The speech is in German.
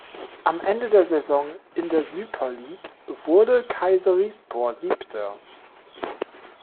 Am Ende der Saison in der Süper Lig wurde Kayserispor Siebter.